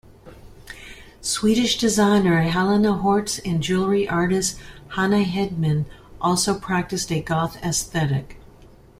Swedish designer Helena Horstedt and jewelry artist Hanna Hedman also practice a goth aesthetic.